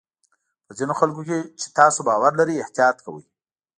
په ځینو خلکو چې تاسو باور لرئ احتیاط کوئ.